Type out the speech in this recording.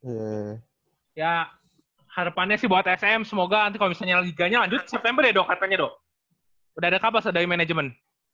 ya harapannya sih buat sm semoga nanti kalau misalnya liganya lanjut september ya dok katanya dok udah ada kapas dari manajemen